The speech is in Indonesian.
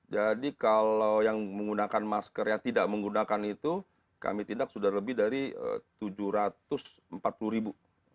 jadi kalau yang menggunakan masker ya tidak menggunakan itu kami tindak sudah lebih dari tujuh ratus empat puluh ribu